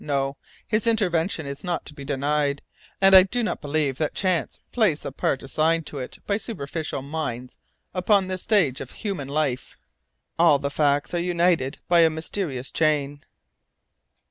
No, His intervention is not to be denied, and I do not believe that chance plays the part assigned to it by superficial minds upon the stage of human life. All the facts are united by a mysterious chain."